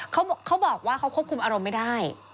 เขาบอกว่าเขาควบคุมอารมณ์ไม่ได้